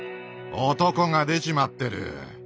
男が出ちまってる。